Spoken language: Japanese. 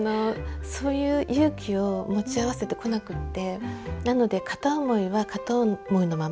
そういう勇気を持ち合わせてこなくってなので片思いは片思いのまま。